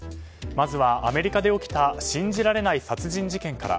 まずは、アメリカで起きた信じられない殺人事件から。